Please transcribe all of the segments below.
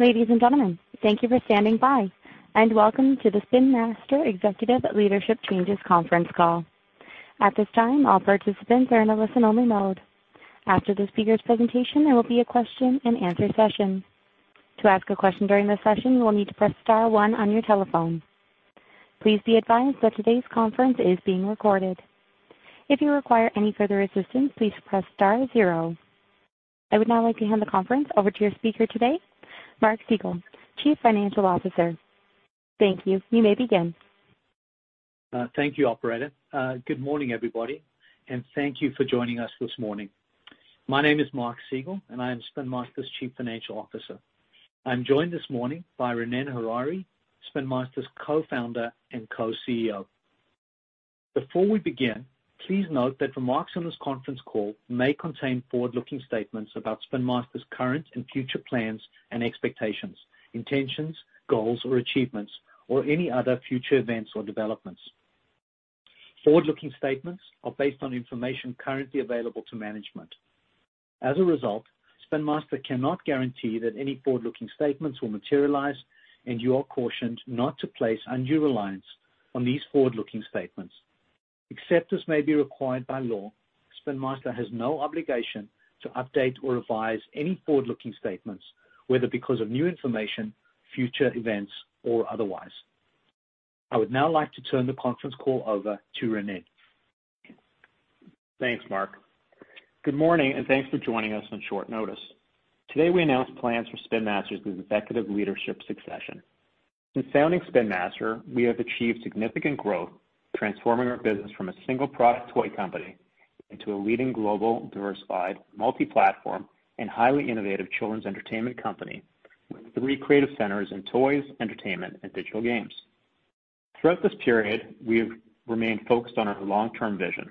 Ladies and gentlemen, thank you for standing by and welcome to the Spin Master Executive Leadership Changes Conference Call. At this time, all participants are in a listen-only mode. After the speakers' presentation, there will be a question and answer session. To ask a question during this session, you will need to press star one on your telephone. Please be advised that today's conference is being recorded. If you require any further assistance, please press star zero. I would now like to hand the conference over to your speaker today, Mark Segal, Chief Financial Officer. Thank you. You may begin. Thank you, operator. Good morning, everybody, and thank you for joining us this morning. My name is Mark Segal, and I am Spin Master's Chief Financial Officer. I'm joined this morning by Ronnen Harary, Spin Master's Co-Founder and Co-CEO. Before we begin, please note that remarks on this conference call may contain forward-looking statements about Spin Master's current and future plans and expectations, intentions, goals or achievements, or any other future events or developments. Forward-looking statements are based on information currently available to management. As a result, Spin Master cannot guarantee that any forward-looking statements will materialize and you are cautioned not to place undue reliance on these forward-looking statements. Except as may be required by law, Spin Master has no obligation to update or revise any forward-looking statements, whether because of new information, future events, or otherwise. I would now like to turn the conference call over to Ronnen. Thanks, Mark. Good morning, thanks for joining us on short notice. Today, we announce plans for Spin Master's executive leadership succession. Since founding Spin Master, we have achieved significant growth, transforming our business from a single product toy company into a leading global, diversified, multi-platform, and highly innovative children's entertainment company with three creative centers in toys, entertainment, and digital games. Throughout this period, we have remained focused on our long-term vision.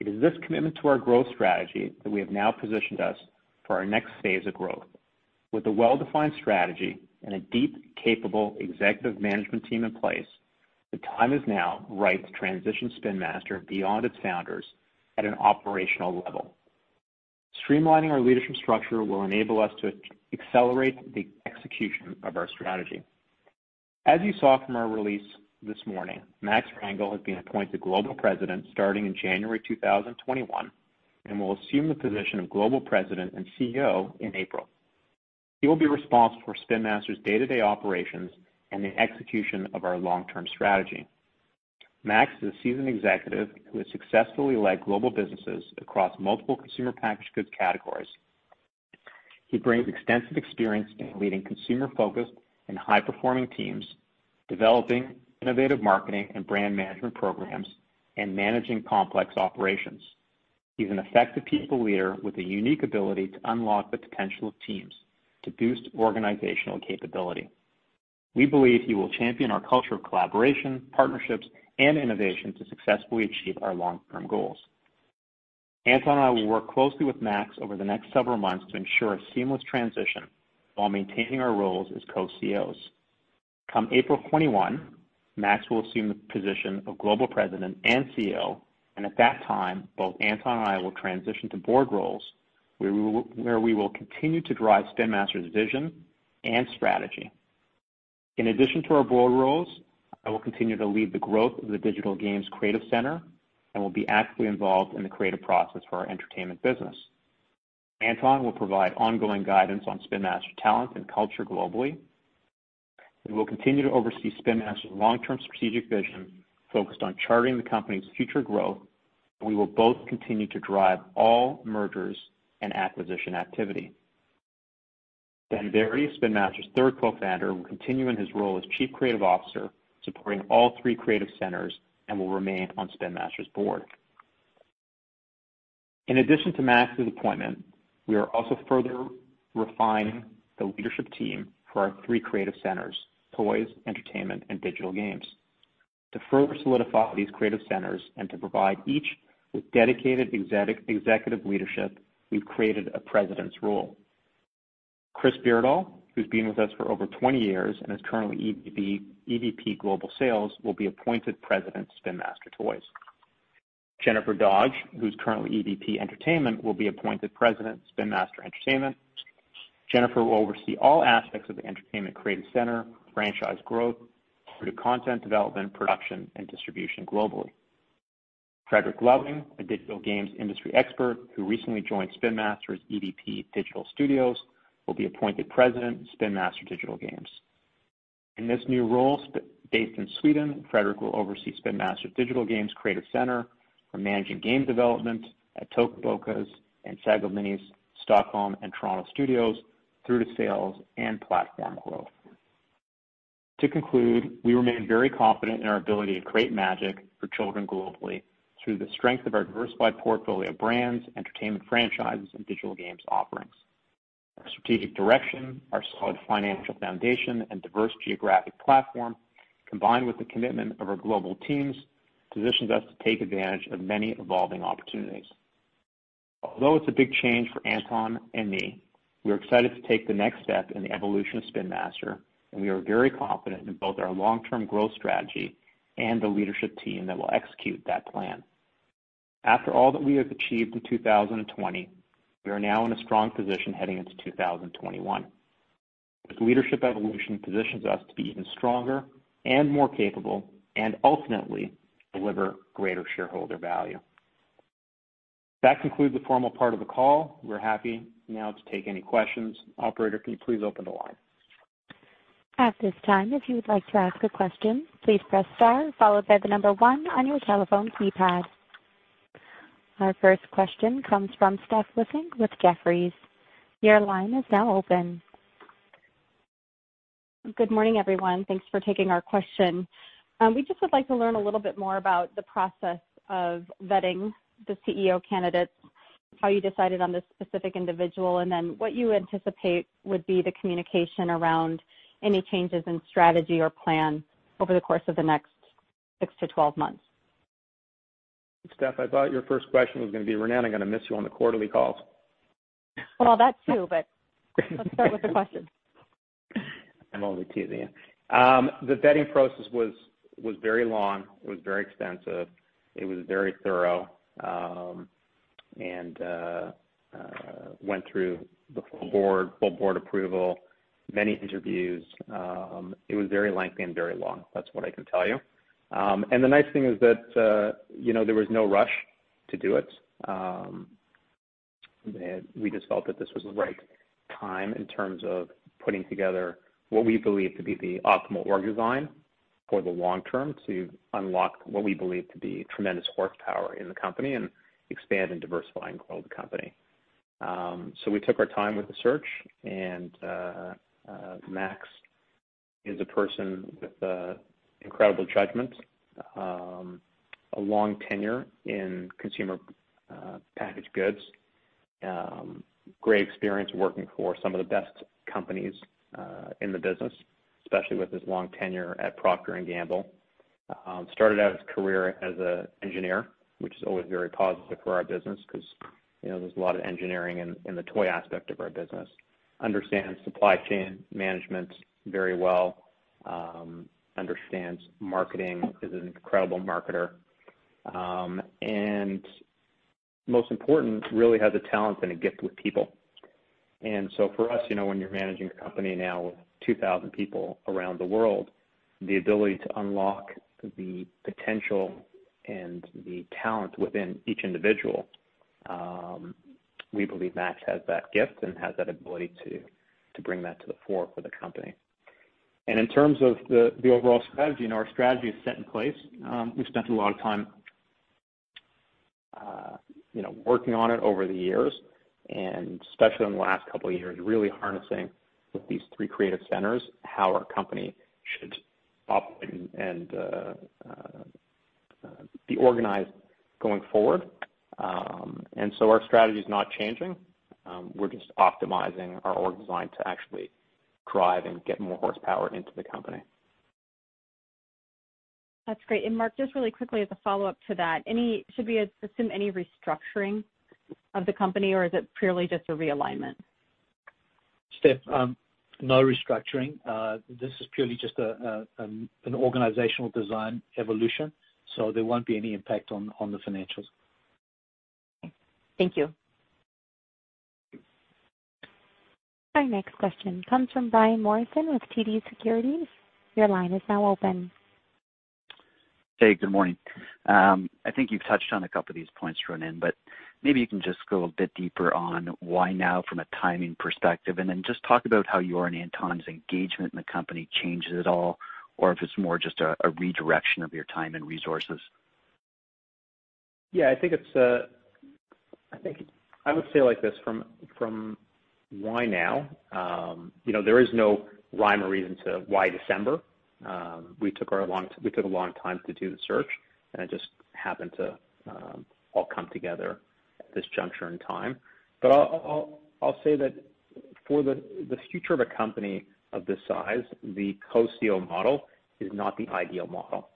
It is this commitment to our growth strategy that we have now positioned us for our next phase of growth. With a well-defined strategy and a deep, capable executive management team in place, the time is now right to transition Spin Master beyond its founders at an operational level. Streamlining our leadership structure will enable us to accelerate the execution of our strategy. As you saw from our release this morning, Max Rangel has been appointed Global President starting in January 2021 and will assume the position of Global President and CEO in April. He will be responsible for Spin Master's day-to-day operations and the execution of our long-term strategy. Max is a seasoned executive who has successfully led global businesses across multiple consumer packaged goods categories. He brings extensive experience in leading consumer-focused and high-performing teams, developing innovative marketing and brand management programs, and managing complex operations. He's an effective people leader with a unique ability to unlock the potential of teams to boost organizational capability. We believe he will champion our culture of collaboration, partnerships, and innovation to successfully achieve our long-term goals. Anton and I will work closely with Max over the next several months to ensure a seamless transition while maintaining our roles as co-CEOs. Come April 2021, Max will assume the position of Global President and CEO, and at that time, both Anton and I will transition to board roles, where we will continue to drive Spin Master's vision and strategy. In addition to our board roles, I will continue to lead the growth of the digital games creative center and will be actively involved in the creative process for our entertainment business. Anton will provide ongoing guidance on Spin Master talent and culture globally, and will continue to oversee Spin Master's long-term strategic vision focused on charting the company's future growth, and we will both continue to drive all mergers and acquisition activity. Ben Varadi, Spin Master's third co-founder, will continue in his role as Chief Creative Officer, supporting all three creative centers and will remain on Spin Master's board. In addition to Max's appointment, we are also further refining the leadership team for our three creative centers, toys, entertainment, and digital games. To further solidify these creative centers and to provide each with dedicated executive leadership, we've created a president's role. Chris Beardall, who's been with us for over 20 years and is currently EVP global sales, will be appointed President, Spin Master Toys. Jennifer Dodge, who's currently EVP Entertainment, will be appointed President, Spin Master Entertainment. Jennifer will oversee all aspects of the entertainment creative center, franchise growth through to content development, production, and distribution globally. Fredrik Loving, a digital games industry expert who recently joined Spin Master as EVP Digital Studios, will be appointed President, Spin Master Digital Games. In this new role based in Sweden, Fredrik will oversee Spin Master's digital games creative center from managing game development at Toca Boca's and Sago Mini's Stockholm and Toronto studios through to sales and platform growth. To conclude, we remain very confident in our ability to create magic for children globally through the strength of our diversified portfolio of brands, entertainment franchises, and digital games offerings. Our strategic direction, our solid financial foundation, and diverse geographic platform, combined with the commitment of our global teams, positions us to take advantage of many evolving opportunities. Although it's a big change for Anton and me, we are excited to take the next step in the evolution of Spin Master, and we are very confident in both our long-term growth strategy and the leadership team that will execute that plan. After all that we have achieved in 2020, we are now in a strong position heading into 2021. This leadership evolution positions us to be even stronger and more capable, and ultimately deliver greater shareholder value. That concludes the formal part of the call. We're happy now to take any questions. Operator, can you please open the line? Our first question comes from Steph Luik with Jefferies. Your line is now open. Good morning, everyone. Thanks for taking our question. We just would like to learn a little bit more about the process of vetting the CEO candidates, how you decided on this specific individual, and then what you anticipate would be the communication around any changes in strategy or plan over the course of the next six to 12 months. Steph, I thought your first question was going to be, "Ronnen, I'm going to miss you on the quarterly calls. Well, that too, but let's start with the question. I'm only teasing you. The vetting process was very long. It was very extensive. It was very thorough, and went through the full board approval, many interviews. It was very lengthy and very long. That's what I can tell you. The nice thing is that there was no rush to do it. We just felt that this was the right time in terms of putting together what we believe to be the optimal org design for the long term to unlock what we believe to be tremendous horsepower in the company and expand and diversify and grow the company. We took our time with the search, and Max is a person with incredible judgment, a long tenure in consumer packaged goods. Great experience working for some of the best companies in the business, especially with his long tenure at Procter & Gamble. Started out his career as an engineer, which is always very positive for our business because there's a lot of engineering in the toy aspect of our business. Understands supply chain management very well, understands marketing, is an incredible marketer, and most important, really has a talent and a gift with people. For us, when you're managing a company now with 2,000 people around the world, the ability to unlock the potential and the talent within each individual, we believe Max has that gift and has that ability to bring that to the fore for the company. In terms of the overall strategy, our strategy is set in place. We've spent a lot of time working on it over the years and especially in the last couple of years, really harnessing with these three creative centers, how our company should operate and be organized going forward. Our strategy is not changing. We're just optimizing our org design to actually drive and get more horsepower into the company. That's great. Mark, just really quickly as a follow-up to that, should we assume any restructuring of the company or is it purely just a realignment? Steph, no restructuring. This is purely just an organizational design evolution, so there won't be any impact on the financials. Thank you. Our next question comes from Brian Morrison with TD Securities. Your line is now open. Hey, good morning. I think you've touched on a couple of these points, Ronnen, but maybe you can just go a bit deeper on why now from a timing perspective, and then just talk about how your and Anton's engagement in the company changes at all, or if it's more just a redirection of your time and resources. Yeah, I would say it like this from why now. There is no rhyme or reason to why December. We took a long time to do the search, and it just happened to all come together at this juncture in time. I'll say that for the future of a company of this size, the co-CEO model is not the ideal model.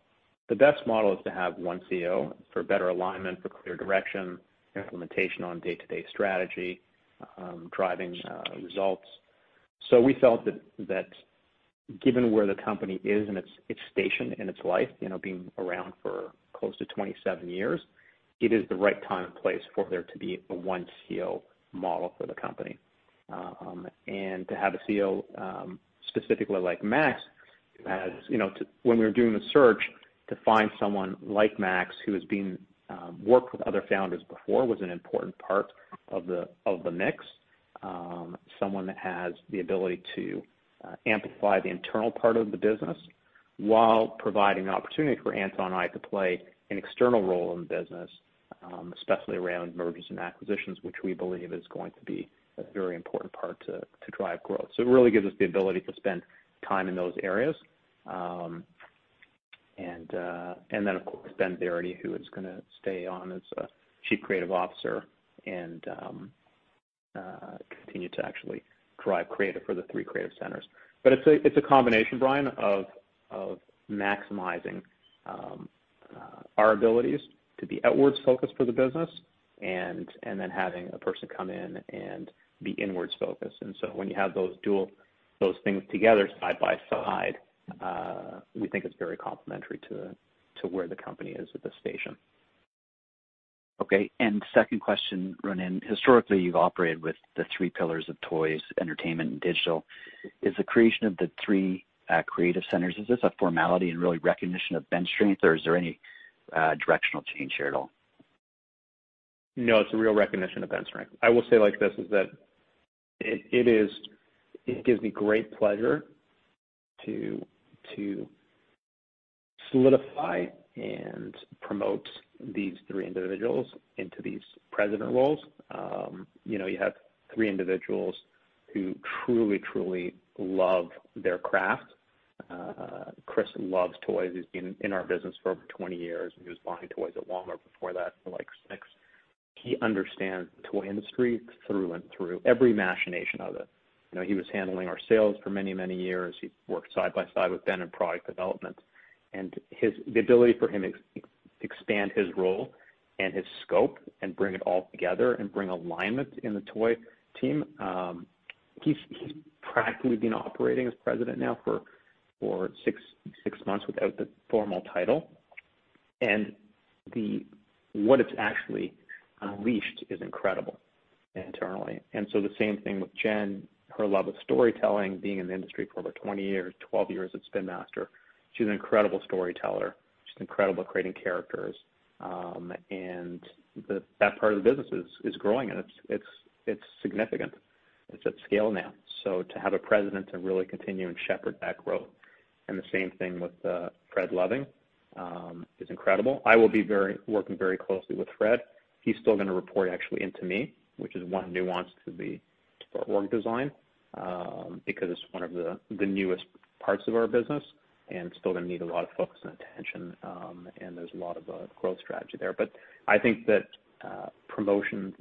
The best model is to have one CEO for better alignment, for clear direction, implementation on day-to-day strategy, driving results. We felt that given where the company is in its station, in its life, being around for close to 27 years, it is the right time and place for there to be a one CEO model for the company. To have a CEO, specifically like Max, as you know, when we were doing the search to find someone like Max, who has worked with other founders before, was an important part of the mix. Someone that has the ability to amplify the internal part of the business while providing an opportunity for Anton and I to play an external role in the business, especially around mergers and acquisitions, which we believe is going to be a very important part to drive growth. It really gives us the ability to spend time in those areas. Of course, Ben Varadi, who is going to stay on as Chief Creative Officer and continue to actually drive creative for the three creative centers. It's a combination, Brian, of maximizing our abilities to be outwards focused for the business. Then having a person come in and be inwards focused. When you have those things together side by side, we think it's very complementary to where the company is at this station. Okay. Second question, Ronnen. Historically, you've operated with the three pillars of toys, entertainment, and digital. Is the creation of the three creative centers, is this a formality and really recognition of bench strength, or is there any directional change here at all? No, it's a real recognition of bench strength. I will say it like this, is that it gives me great pleasure to solidify and promote these three individuals into these president roles. You have three individuals who truly love their craft. Chris loves toys. He's been in our business for over 20 years. He was buying toys at Walmart before that for like six. He understands the toy industry through and through, every machination of it. He was handling our sales for many years. He worked side by side with Ben in product development. The ability for him to expand his role and his scope and bring it all together and bring alignment in the toy team, he's practically been operating as President now for six months without the formal title. What it's actually unleashed is incredible internally. The same thing with Jen, her love of storytelling, being in the industry for over 20 years, 12 years at Spin Master. She's an incredible storyteller. She's incredible at creating characters. That part of the business is growing and it's significant. It's at scale now. To have a president to really continue and shepherd that growth. The same thing with Fred Loving, is incredible. I will be working very closely with Fred. He's still going to report actually into me, which is one nuance to the org design, because it's one of the newest parts of our business, and it's still going to need a lot of focus and attention, and there's a lot of growth strategy there. I think that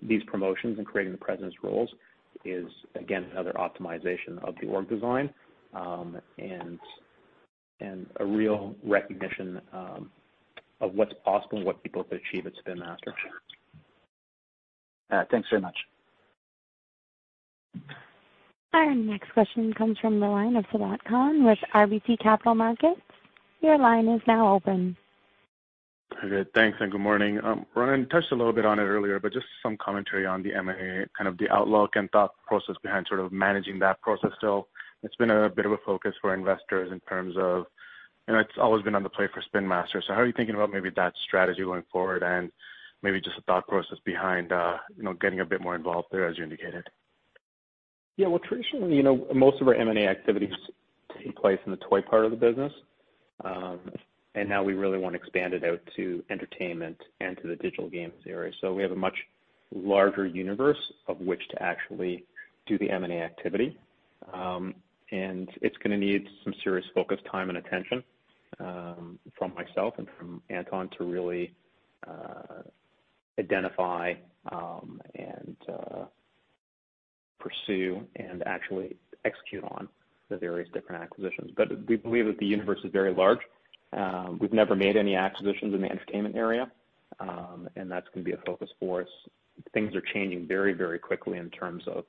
these promotions and creating the presidents' roles is again, another optimization of the org design, and a real recognition of what's possible and what people could achieve at Spin Master. Thanks very much. Our next question comes from the line of Sabahat Khan with RBC Capital Markets. Your line is now open. Okay. Thanks. Good morning. Ron, touched a little bit on it earlier, just some commentary on the M&A, kind of the outlook and thought process behind sort of managing that process still. It's been a bit of a focus for investors in terms of It's always been on the play for Spin Master. How are you thinking about maybe that strategy going forward and maybe just the thought process behind getting a bit more involved there as you indicated? Yeah. Well, traditionally, most of our M&A activities take place in the toy part of the business. Now we really want to expand it out to entertainment and to the digital games area. We have a much larger universe of which to actually do the M&A activity. It's going to need some serious focus, time, and attention, from myself and from Anton to really identify, pursue, and actually execute on the various different acquisitions. We believe that the universe is very large. We've never made any acquisitions in the entertainment area, and that's going to be a focus for us. Things are changing very, very quickly in terms of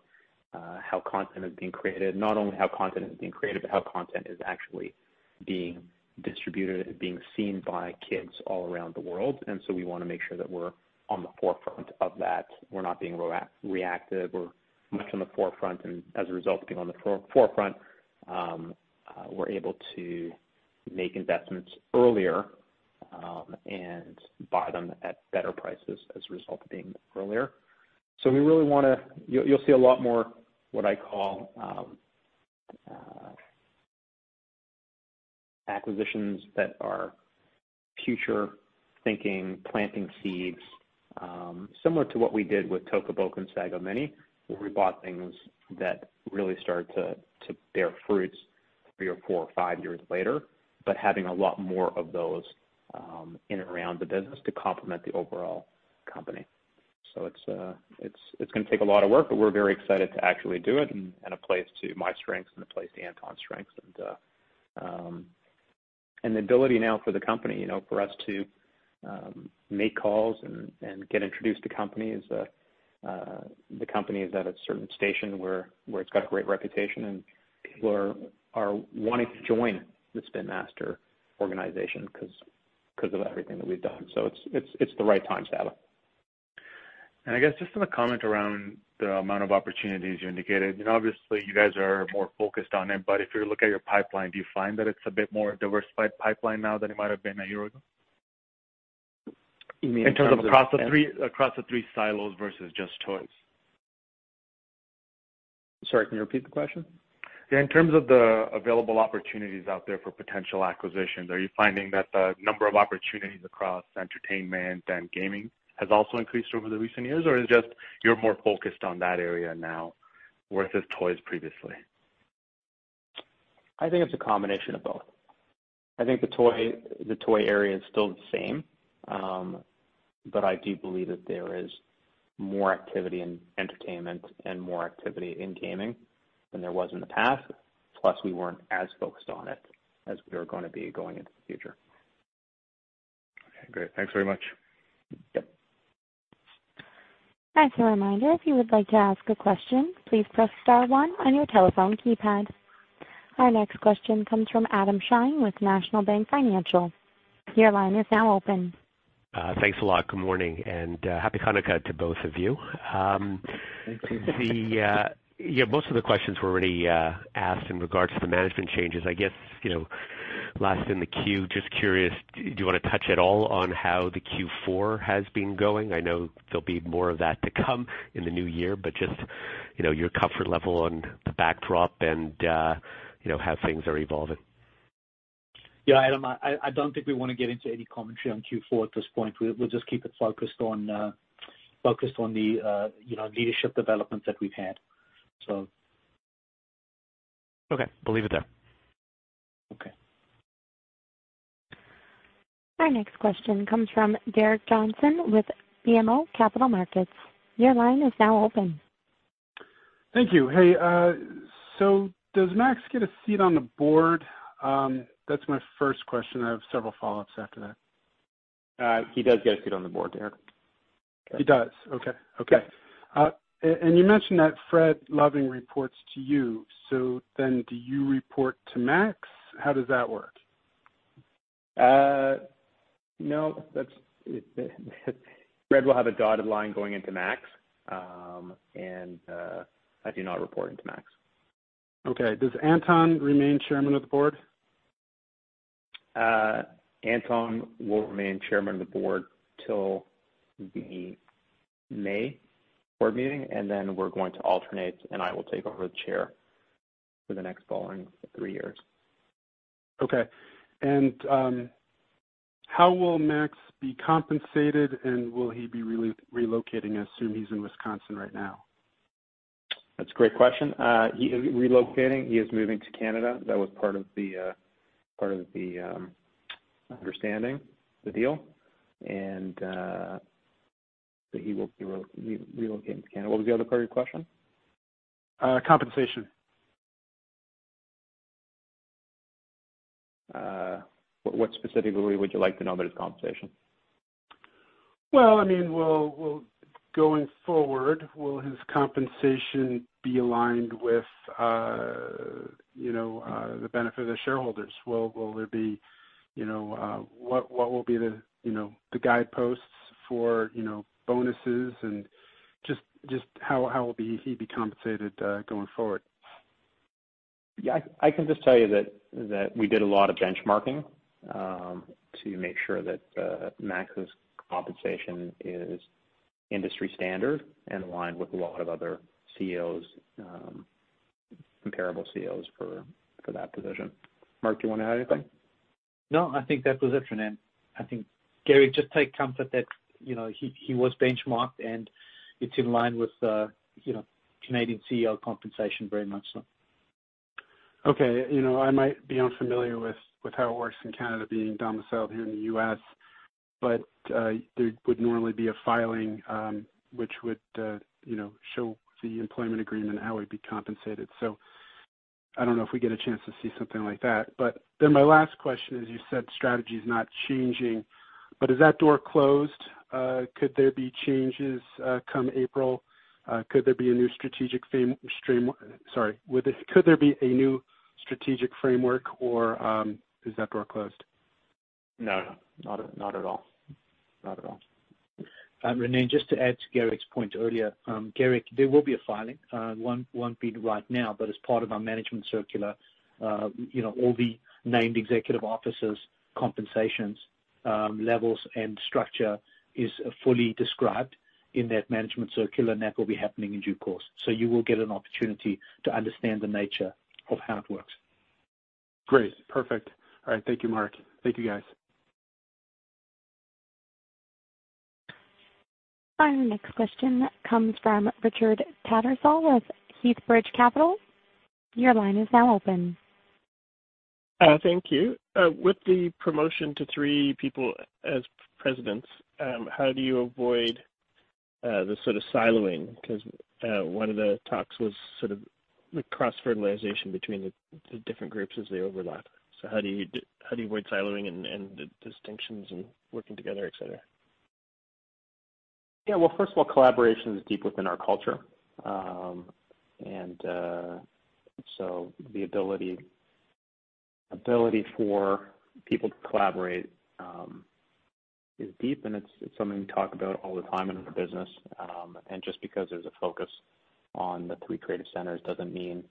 how content is being created. Not only how content is being created, but how content is actually being distributed, being seen by kids all around the world. We want to make sure that we're on the forefront of that. We're not being reactive or much on the forefront. As a result of being on the forefront, we're able to make investments earlier, and buy them at better prices as a result of being earlier. You'll see a lot more what I call acquisitions that are future thinking, planting seeds, similar to what we did with Toca Boca and Sago Mini, where we bought things that really started to bear fruits three or four or five years later, but having a lot more of those in and around the business to complement the overall company. It's going to take a lot of work, but we're very excited to actually do it and a place to my strengths and a place to Anton's strengths. The ability now for the company, for us to make calls and get introduced to companies. The company is at a certain station where it's got a great reputation and people are wanting to join the Spin Master organization because of everything that we've done. It's the right time to act. I guess just on a comment around the amount of opportunities you indicated. Obviously, you guys are more focused on it, but if you look at your pipeline, do you find that it's a bit more diversified pipeline now than it might've been a year ago? You mean in terms of- In terms of across the three silos versus just toys. Sorry, can you repeat the question? Yeah. In terms of the available opportunities out there for potential acquisitions, are you finding that the number of opportunities across entertainment and gaming has also increased over the recent years? Is just you're more focused on that area now versus toys previously? I think it's a combination of both. I think the toy area is still the same. I do believe that there is more activity in entertainment and more activity in gaming than there was in the past. We weren't as focused on it as we are going to be going into the future. Okay, great. Thanks very much. Yep. As a reminder, if you would like to ask a question, please press star one on your telephone keypad. Our next question comes from Adam Shine with National Bank Financial. Your line is now open. Thanks a lot. Good morning, and happy Hanukkah to both of you. Thank you. Yeah, most of the questions were already asked in regards to the management changes. I guess, last in the queue, just curious, do you want to touch at all on how the Q4 has been going? I know there'll be more of that to come in the new year, but just your comfort level on the backdrop and how things are evolving. Yeah, Adam, I don't think we want to get into any commentary on Q4 at this point. We'll just keep it focused on the leadership developments that we've had. Okay. We'll leave it there. Okay. Our next question comes from Derrick Johnson with BMO Capital Markets. Your line is now open. Thank you. Hey. Does Max get a seat on the board? That's my first question. I have several follow-ups after that. He does get a seat on the board, Derrik. He does? Okay. Yeah. You mentioned that Fredrik Loving reports to you. Do you report to Max? How does that work? No. Fred will have a dotted line going into Max. I do not report into Max. Okay. Does Anton remain Chairman of the Board? Anton will remain Chairman of the Board till the May board meeting. We're going to alternate. I will take over the chair for the next following three years. Okay. How will Max be compensated, and will he be relocating? I assume he's in Wisconsin right now. That's a great question. He is relocating. He is moving to Canada. That was part of the understanding, the deal, and so he will be relocating to Canada. What was the other part of your question? Compensation. What specifically would you like to know about his compensation? Well, going forward, will his compensation be aligned with the benefit of the shareholders? What will be the guideposts for bonuses and just how will he be compensated going forward? Yeah, I can just tell you that we did a lot of benchmarking to make sure that Max's compensation is industry standard and aligned with a lot of other comparable CEOs for that position. Mark, do you want to add anything? No, I think that was it for now. I think, Derrick, just take comfort that he was benchmarked, and it's in line with Canadian CEO compensation very much so. Okay. I might be unfamiliar with how it works in Canada being domiciled here in the U.S., there would normally be a filing which would show the employment agreement and how he'd be compensated. I don't know if we get a chance to see something like that. My last question is, you said strategy is not changing, but is that door closed? Could there be changes come April? Could there be a new strategic framework, or is that door closed? No. Not at all. Ronnen, just to add to Derrick's point earlier. Derrick, there will be a filing. Won't be right now, but as part of our management circular, all the named executive officers' compensations levels and structure is fully described in that management circular. That will be happening in due course. You will get an opportunity to understand the nature of how it works. Great. Perfect. All right. Thank you, Mark. Thank you, guys. Our next question comes from Richard Tattersall with Heathbridge Capital. Your line is now open. Thank you. With the promotion to three people as presidents, how do you avoid the sort of siloing? One of the talks was sort of the cross-fertilization between the different groups as they overlap. How do you avoid siloing and the distinctions in working together, et cetera? Well, first of all, collaboration is deep within our culture. The ability for people to collaborate is deep, and it's something we talk about all the time in our business. Just because there's a focus on the three creative centers doesn't mean.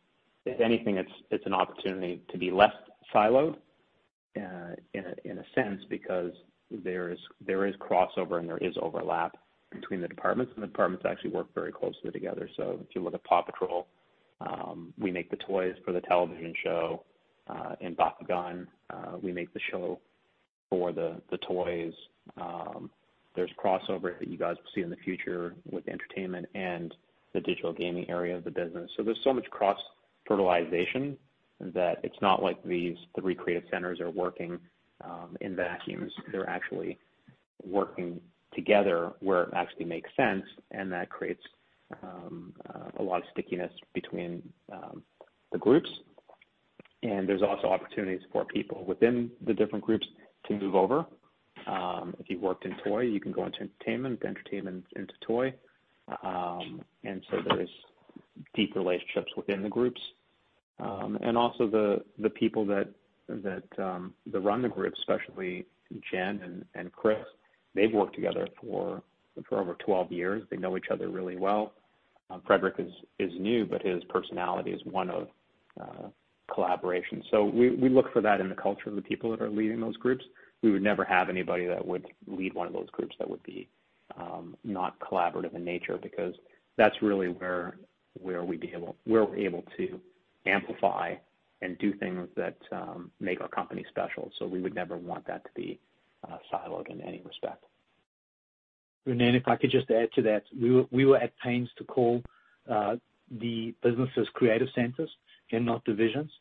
If anything, it's an opportunity to be less siloed in a sense because there is crossover and there is overlap between the departments, and the departments actually work very closely together. If you look at PAW Patrol, we make the toys for the television show. In Bakugan, we make the show for the toys. There's crossover that you guys will see in the future with entertainment and the digital gaming area of the business. There's so much cross-fertilization that it's not like these three creative centers are working in vacuums. They're actually working together where it actually makes sense, and that creates a lot of stickiness between the groups. There's also opportunities for people within the different groups to move over. If you've worked in Toy, you can go into Entertainment into Toy. There is deep relationships within the groups. Also the people that run the groups, especially Jen and Chris, they've worked together for over 12 years. They know each other really well. Fredrik is new, but his personality is one of collaboration. We look for that in the culture of the people that are leading those groups. We would never have anybody that would lead one of those groups that would be not collaborative in nature, because that's really where we're able to amplify and do things that make our company special. We would never want that to be siloed in any respect. Ronnen, if I could just add to that. We were at pains to call the businesses creative centers and not divisions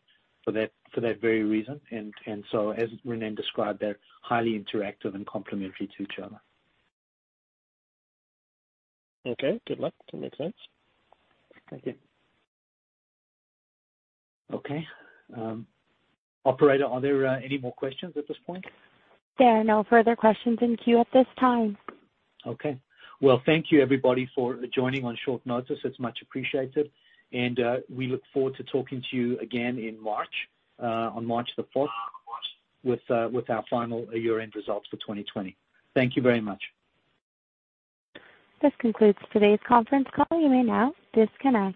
for that very reason. As Ronnen described, they're highly interactive and complementary to each other. Okay. Good luck. That makes sense. Thank you. Okay. Operator, are there any more questions at this point? There are no further questions in queue at this time. Well, thank you everybody for joining on short notice. It's much appreciated, we look forward to talking to you again in March, on March the fourth, with our final year-end results for 2020. Thank you very much. This concludes today's conference call. You may now disconnect.